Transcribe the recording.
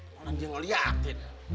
kanan dia ngeliatin